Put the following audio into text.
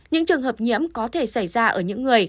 những trường hợp nhiễm có thể xảy ra ở những người